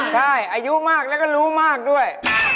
ใช่อายุมากแล้วก็รู้มากด้วย